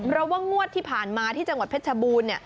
เพราะว่างวดที่ผ่านมาที่จังหวัดเพชรบูรณ์